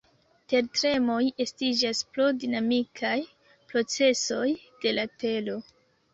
Tertremoj estiĝas pro dinamikaj procesoj de la tero.